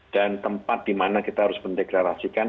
dan tempat dimana kita harus mendeklarasikan